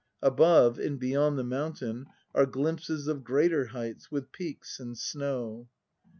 Above, and beyond the mountahi, are glimpses of greater heights, with peaks and snow.